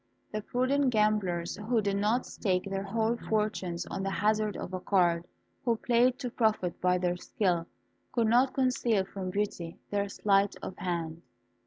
The prudent gamblers, who did not stake their whole fortunes on the hazard of a card, and who played to profit by their skill, could not conceal from Beauty their sleight of hand.